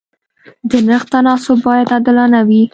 د نرخ تناسب باید عادلانه وي.